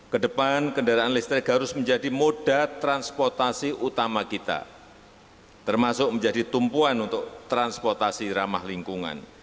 kedepan kendaraan listrik harus menjadi moda transportasi utama kita termasuk menjadi tumpuan untuk transportasi ramah lingkungan